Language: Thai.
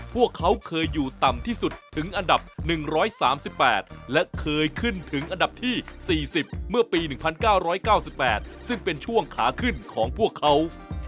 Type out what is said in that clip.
พวกเขาเคยอยู่ต่ำที่สุดถึงอันดับ๑๓๘และเคยขึ้นถึงอันดับที่๔๐เมื่อปี๑๙๙๘ซึ่งเป็นช่วงขาขึ้นของพวกเขา